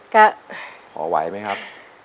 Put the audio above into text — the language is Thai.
ก็พอไหวไหมครับ